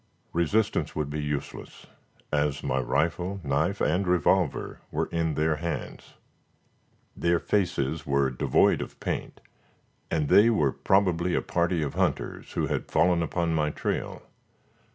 Resistance would be useless, as my rifle, knife, and revolver were in their hands. Their faces were devoid of paint, and they were probably a party of hunters who had fallen upon my trail.